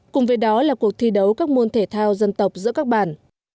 cùng với đó là cuộc thi đấu các môn thể thao dân tộc giữa các bản